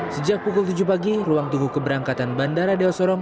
sejak pukul tujuh pagi ruang tunggu keberangkatan bandara dewa sorong